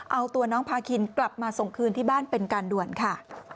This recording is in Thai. เอาตัวน้องพาคินกลับมาส่งคืนที่บ้านเป็นการด่วนค่ะ